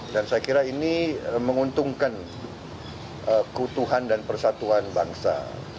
dan saya kira ini menguntungkan keutuhan dan persatuan bangsa